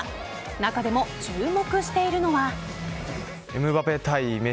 中でも、注目しているのは。